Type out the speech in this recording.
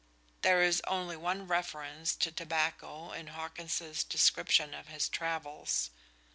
There is only one reference to tobacco in Hawkins's description of his travels.